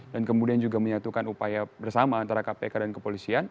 dan kemudian juga menyatukan upaya bersama antara kpk dan kepolisian